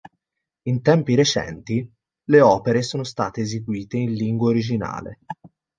In tempi recenti, le opere sono state eseguite in lingua originale.